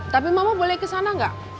tapi mama boleh kesana gak